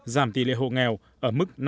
giảm tỷ lệ hộ nghèo ở mức năm